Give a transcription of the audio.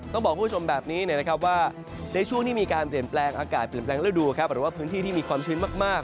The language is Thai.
ต้องบอกคุณผู้ชมแบบนี้นะครับว่าในช่วงที่มีการเปลี่ยนแปลงอากาศเปลี่ยนแปลงฤดูหรือว่าพื้นที่ที่มีความชื้นมาก